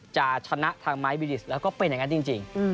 จะชนะทางไม้บิดิสแล้วก็เป็นอย่างนั้นจริง